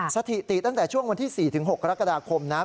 สถิติตั้งแต่ช่วงวันที่๔๖กรกฎาคมนะ